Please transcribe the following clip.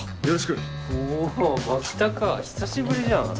お牧高久しぶりじゃん。